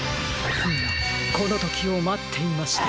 フムこのときをまっていました。